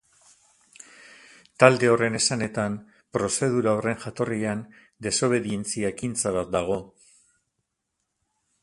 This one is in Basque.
Talde horren esanetan, prozedura horren jatorrian desobedientzia ekintza bat dago.